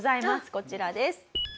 こちらです。